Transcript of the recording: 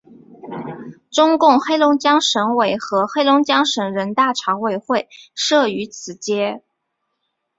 中共黑龙江省委和黑龙江省人大常委会设于此街。